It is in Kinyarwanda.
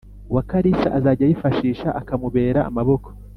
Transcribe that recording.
wa kalisa azajya yifashisha akamubera amaboko